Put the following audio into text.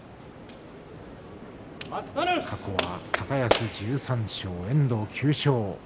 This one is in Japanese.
過去は高安１３勝遠藤９勝。